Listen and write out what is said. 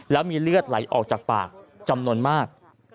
แล้วมีเลือดไหลออกจากปากจำนวนมาก